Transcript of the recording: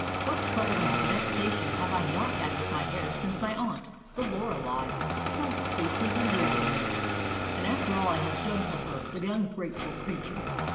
What trouble and vexation have I not had with my hair since my aunt, the Lorelei, so basely deserted me. And after all I have done for her, the ungrateful creature.